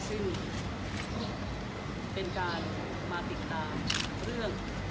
ซึ่งเป็นการมาติดตามเรื่อง